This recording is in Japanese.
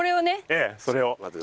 ええそれを。